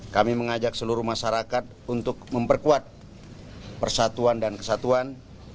kami mengajak seluruh masyarakat untuk memperkuat persatuan dan kesatuan